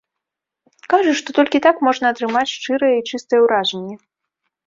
Кажа, што толькі так можна атрымаць шчырыя і чыстыя ўражанні.